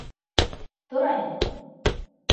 Тор әле!